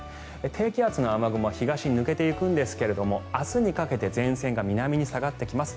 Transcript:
低気圧の雨雲は東に抜けていきますが明日にかけて前線が南に下がっていきます。